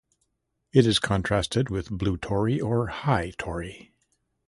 It is contrasted with "Blue Tory" or "High Tory".